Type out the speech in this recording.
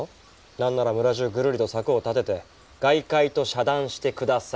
何なら村中ぐるりと柵を立てて外界と遮断してください。